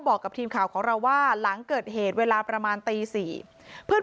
บอกกับทีมข่าวของเราว่าหลังเกิดเหตุเวลาประมาณตี๔เพื่อน